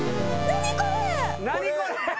何これ？